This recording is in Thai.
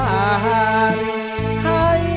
ไม่ใช้ครับไม่ใช้ครับ